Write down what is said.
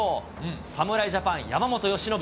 侍ジャパン、山本由伸。